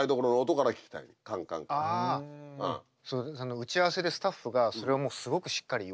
打ち合わせでスタッフがそれをもうすごくしっかり言われたと。